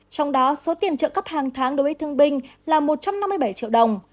trong đó số tiền trợ cấp hàng tháng đối với thương binh là một trăm năm mươi bảy triệu đồng